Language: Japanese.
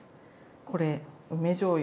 これ梅じょうゆ。